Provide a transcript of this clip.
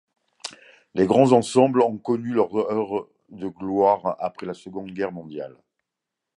Les grands ensembles ont connu leur heure de gloire après la Seconde Guerre mondiale.